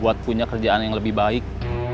buat punya kerjaan yang lebih baik